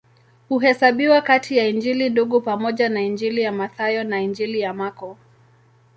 Huhesabiwa kati ya Injili Ndugu pamoja na Injili ya Mathayo na Injili ya Marko.